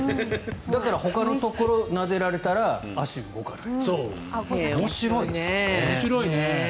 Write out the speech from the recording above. だからほかのところをなでられたら足が動かない。